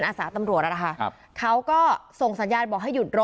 ดรอาสาสมัครท่านวิทยาธิสมิตร